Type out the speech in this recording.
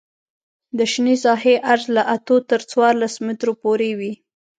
د شنې ساحې عرض له اتو تر څوارلس مترو پورې وي